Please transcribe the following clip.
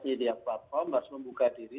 media platform harus membuka diri